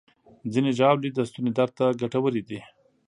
ځینې ژاولې د ستوني درد ته ګټورې دي.